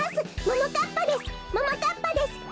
ももかっぱです。